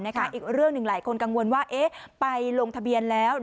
อีกเรื่องหนึ่งหลายคนกังวลว่าไปลงทะเบียนแล้ว